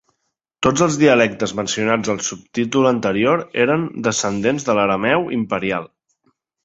Tots els dialectes mencionats al subtítol anterior eren descendents de l'arameu imperial.